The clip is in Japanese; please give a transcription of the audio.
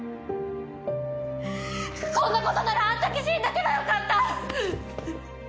こんなことならあの時死んどけばよかった！